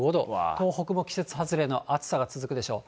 東北も季節外れの暑さが続くでしょう。